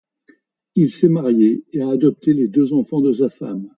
Il s'est marié et a adopté les deux enfants de sa femme.